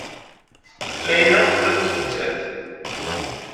Layla tella tettmettat.